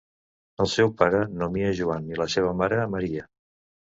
El seu pare nomia Joan i la seva mare Maria.